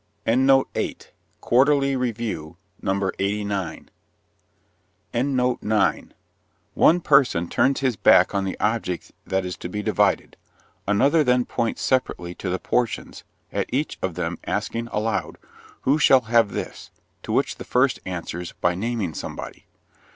Quarterly Review, No. 89. One person turns his back on the object that is to be divided; another then points separately to the portions, at each of them asking aloud, 'Who shall have this?' to which the first answers by naming somebody.